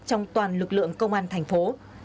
trong toàn lực lượng công an thành phố